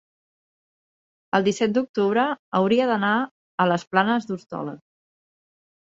el disset d'octubre hauria d'anar a les Planes d'Hostoles.